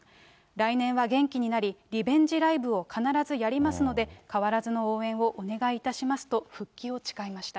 来年は元気になり、リベンジライブを必ずやりますので、変わらずの応援をお願いいたしますと復帰を誓いました。